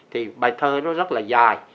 thì bài thơ nó rất là dài